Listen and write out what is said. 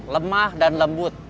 lemah dan lembut